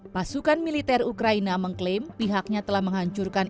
pasukan militer ukraina mengklaim pihaknya telah menghancurkan